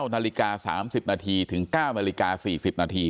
๙นาฬิกา๓๐นาทีถึง๙นาฬิกา๔๐นาที